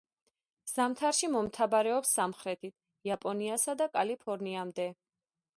ზამთარში მომთაბარეობს სამხრეთით, იაპონიასა და კალიფორნიამდე.